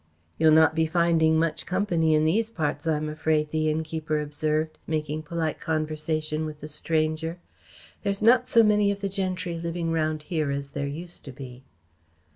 "You'll not be finding much company in these parts, I'm afraid," the innkeeper observed, making polite conversation with the stranger. "There's not so many of the gentry living round as there used to be."